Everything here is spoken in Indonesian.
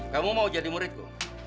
kamu mau jadi muridku